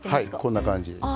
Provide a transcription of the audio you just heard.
こんな感じ。